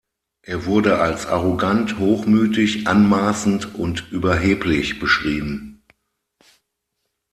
Er wurde als arrogant, hochmütig, anmaßend und überheblich beschrieben.